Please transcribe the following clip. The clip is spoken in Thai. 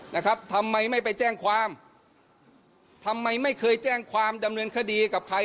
ทำไมไม่ไปแจ้งความทำไมไม่เคยแจ้งความดำเนินคดีกับใคร